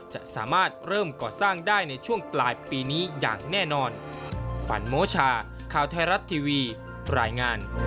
จะสามารถเริ่มก่อสร้างได้ในช่วงปลายปีนี้อย่างแน่นอน